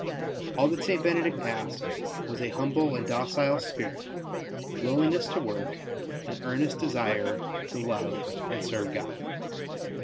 All that St. Benedict asked was a humble and docile spirit, willingness to work, an earnest desire to love and serve God.